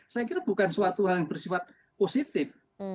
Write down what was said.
saya kira bukan suatu hal yang bersifat positif